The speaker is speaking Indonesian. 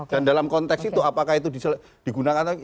dan dalam konteks itu apakah itu digunakan atau tidak